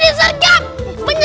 siapa preparation yang empat wordnya